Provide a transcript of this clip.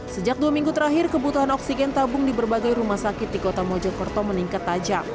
sejak dua minggu terakhir kebutuhan oksigen tabung di berbagai rumah sakit di kota mojokerto meningkat tajam